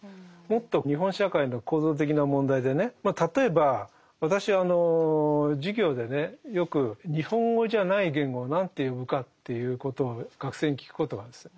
もっと日本社会の構造的な問題でねまあ例えば私あの授業でねよく日本語じゃない言語を何て呼ぶかということを学生に聞くことがあるんです。